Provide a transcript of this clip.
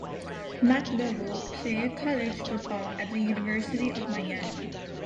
McDougle played college football at the University of Miami.